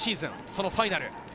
そのファイナル。